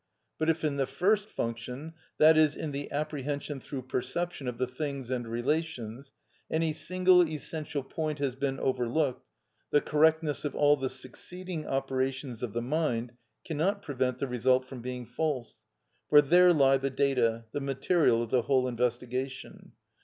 But if in the first function, that is, in the apprehension through perception of the things and relations, any single essential point has been overlooked, the correctness of all the succeeding operations of the mind cannot prevent the result from being false; for there lie the data, the material of the whole investigation.